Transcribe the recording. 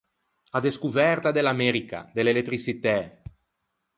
A descoverta de l’America, de l’elettriçitæ.